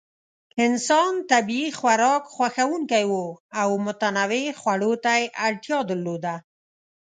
انسان طبیعي خوراک خوښونکی و او متنوع خوړو ته یې اړتیا درلوده.